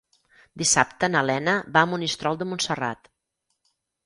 Dissabte na Lena va a Monistrol de Montserrat.